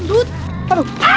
grusak kayak epic ini